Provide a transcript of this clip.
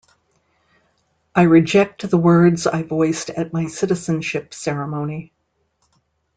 I reject the words I voiced at my citizenship ceremony.